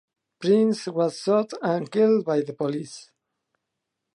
Prince was shot and killed by the police.